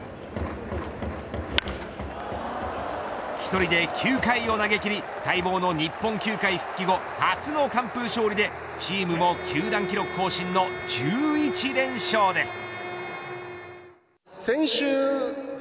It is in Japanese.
１人で９回を投げきり待望の日本球界復帰後初の完封勝利でチームも球団記録更新の１１連勝です。